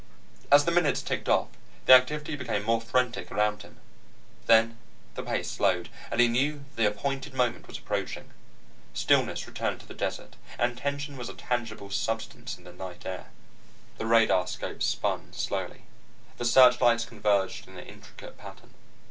As the minutes ticked off, the activity became more frenetic around him. Then the pace slowed, and he knew the appointed moment was approaching. Stillness returned to the desert, and tension was a tangible substance in the night air. The radarscopes spun slowly. The searchlights converged in an intricate pattern.